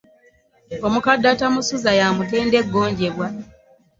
Omukadde atamusuza y'amutenda eggonjebwa.